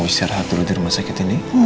istirahat dulu di rumah sakit ini